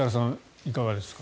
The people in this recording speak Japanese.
いかがですか？